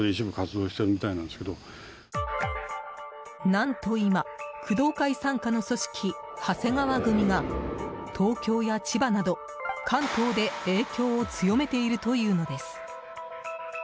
何と今、工藤会傘下の組織長谷川組が東京や千葉など関東で影響を強めているというのです。